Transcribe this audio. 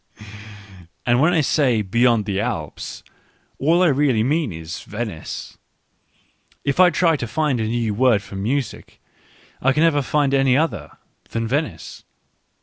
And when I say beyond the Alps, all I really mean is Venice. If I try to find a new word for music, I can never find any other than Venice.